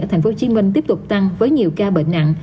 ở tp hcm tiếp tục tăng với nhiều ca bệnh nặng